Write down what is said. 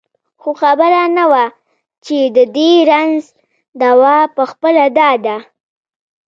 خو خبره نه وه چې د دې رنځ دوا پخپله دا ده.